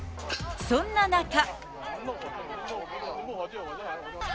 そんな中。